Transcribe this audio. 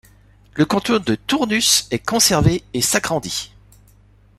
Le canton de Tournus est conservé et s'agrandit.